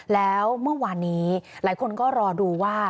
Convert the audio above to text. แล้วเมื่อวานนี้หลายคนก็รอดูว่า